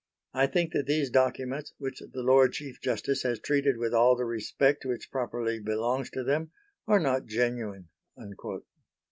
I think that these documents, which the Lord Chief Justice has treated with all the respect which properly belongs to them, are not genuine."